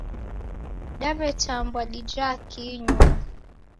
Dawetambwa dijaa kii nyuma